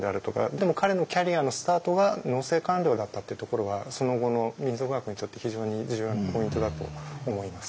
でも彼のキャリアのスタートが農政官僚だったっていうところがその後の民俗学にとって非常に重要なポイントだと思います。